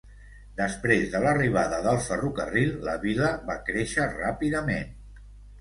Després de l'arribada del ferrocarril la vila va créixer ràpidament.